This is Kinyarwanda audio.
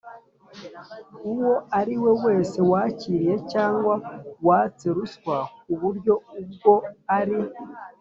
uwo ari we wese wakiriye cyangwa watse ruswa ku buryo ubwo ari